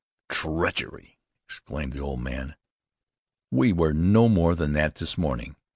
"Treachery!" exclaimed the old man. "We were no more than that this morning.